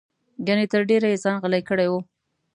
ګنې تر ډېره یې ځان غلی کړی و.